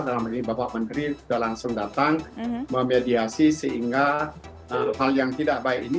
dalam ini bapak menteri sudah langsung datang memediasi sehingga hal yang tidak baik ini